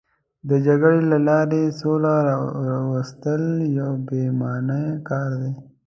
د جګړې له لارې سوله راوستل یو بې معنا کار دی.